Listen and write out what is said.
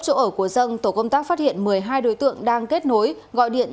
chỗ ở của dân tổ công tác phát hiện một mươi hai đối tượng đang kết nối gọi điện